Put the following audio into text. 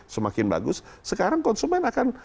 semakin bagus sekarang konsumen akan